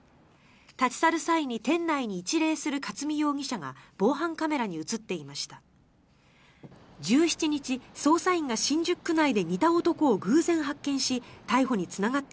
立ち去る際に店内に一礼する勝見容疑者が防犯カメラに映っていました。